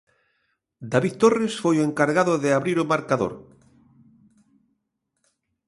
David Torres foi o encargado de abrir o marcador.